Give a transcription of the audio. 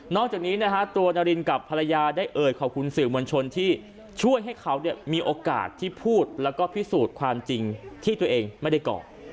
จากนี้นะฮะตัวนารินกับภรรยาได้เอ่ยขอบคุณสื่อมวลชนที่ช่วยให้เขามีโอกาสที่พูดแล้วก็พิสูจน์ความจริงที่ตัวเองไม่ได้ก่อ